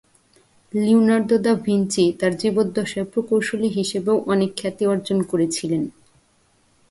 Leonardo da Vinci তার জীবদ্দশায় প্রকৌশলী হিসেবেও অনেক খ্যাতি অর্জন করেছিলেন।